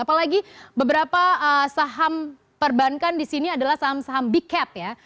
apalagi beberapa saham perbankan di sini adalah saham saham big cap ya